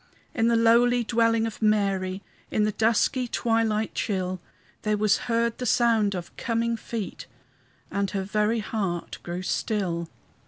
In the lowly dwelling of Mary, In the dusky twilight chill, There was heard the sound of coming feet, And her very heart grew still.